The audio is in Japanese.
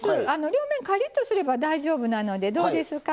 両面カリッとすれば大丈夫なのでどうですか？